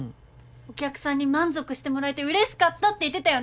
お客さんに満足してもらえてうれしかったって言ってたよね？